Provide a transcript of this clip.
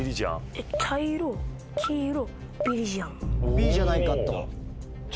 Ｂじゃないかと。